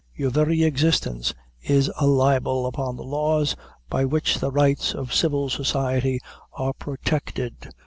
Your very existence is a libel upon the laws by which the rights of civil society are protected."